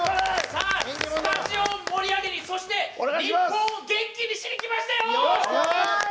スタジオ、盛り上げに日本を元気にしに来ましたよ！